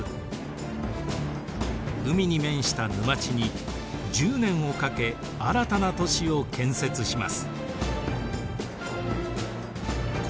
海に面した沼地に１０年をかけ新たな都市を建設します。